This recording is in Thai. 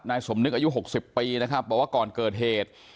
สมนึกอายุ๖๐ปีนะครับบอกว่าก่อนเกิดเหตุ